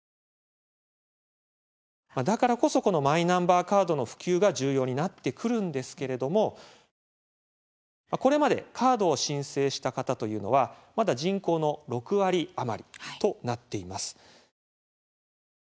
だからこそこのマイナンバーカードの普及が重要になってくるんですけれどもこれまでカードを申請した方というのは、まだ人口の６割余りとなっています。